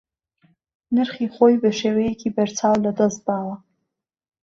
نرخی خۆی بە شێوەیەکی بەرچاو لەدەست داوە